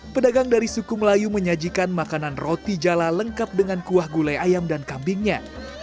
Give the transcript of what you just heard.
pedagang dari suku melayu menyajikan makanan roti jala lengkap dengan kuah gulai ayam dan kambingnya